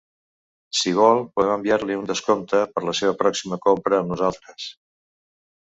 Si vol podem enviar-li un descompte per la seva pròxima compra amb nosaltres.